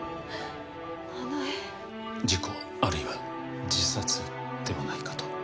事故あるいは自殺ではないかと。